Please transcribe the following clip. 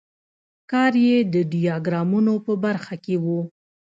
کار یې د ډیاګرامونو په برخه کې و.